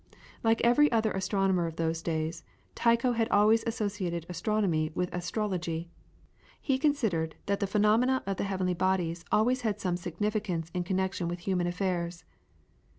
Like every other astronomer of those days, Tycho had always associated astronomy with astrology. He considered that the phenomena of the heavenly bodies always had some significance in connection with human affairs.